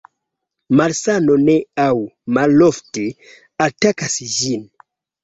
Malsano ne aŭ malofte atakas ĝin.